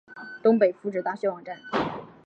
东北福祉大学网站